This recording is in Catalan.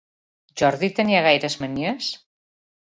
Jordi tenia gaires manies?